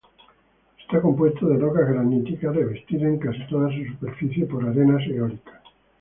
Está compuesto de rocas graníticas, revestido en casi toda su superficie por arenas eólicas.